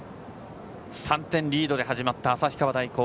３点リードで始まった旭川大高。